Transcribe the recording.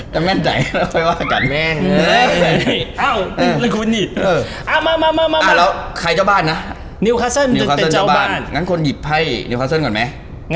จะแม่นใจไม่รู้ว่าการแม่ง